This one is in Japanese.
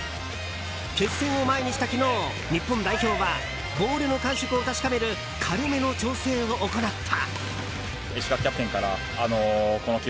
決戦を前にした昨日、日本代表はボールの感触を確かめる軽めの調整を行った。